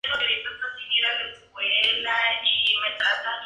Ferviente admirador y fanático de River.